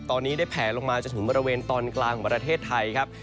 ตอนนี้ได้แผลลงมาจนถึงบริเวณตอนกลางของประเทศไทยครับ